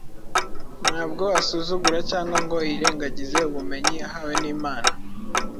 Ntabwo asuzugura cyangwa ngo yirengagize ubumenyi yahawe n’Imana;